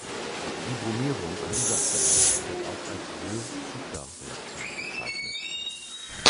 Die Bromierung an dieser Stelle wird auch als Wohl-Ziegler-Reaktion bezeichnet.